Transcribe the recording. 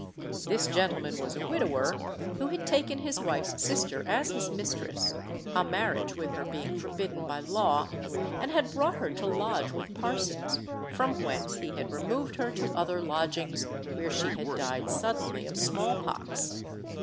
This gentleman was a widower, who had taken his wife's sister as his mistress a marriage with her being forbidden by law and had brought her to lodge with Parsons, from whence he had removed her to other lodgings, where she had died suddenly of small pox.